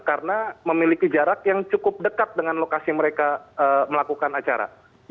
karena memiliki jarak yang cukup dekat dengan lokasi mereka melakukan acara